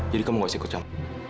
jadi kamu gak usah kecam